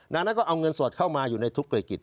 ดังนั้นก็เอาเงินสดเข้ามาอยู่ในทุกธุรกิจ